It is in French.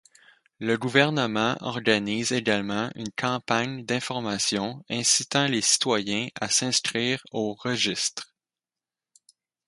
Le gouvernement organise également une campagne d'information incitant les citoyens à s'inscrire au registre.